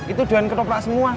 itu doan ketoprak semua